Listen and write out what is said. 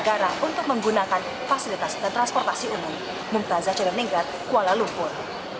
gara untuk menggunakan fasilitas dan transportasi umum mempunyai jadwal negara kuala lumpur